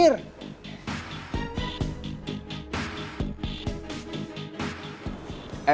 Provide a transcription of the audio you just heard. mikir dong mikir